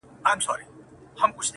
که سهار وو که ماښام جګړه توده وه -